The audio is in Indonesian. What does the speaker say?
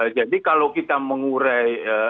jadi kalau kita mengurai